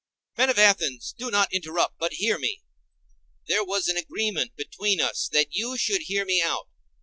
Men of Athens, do not interrupt, but hear me; there was an agreement between us that you should hear me out.